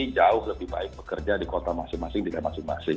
jauh lebih baik bekerja di kota masing masing di daerah masing masing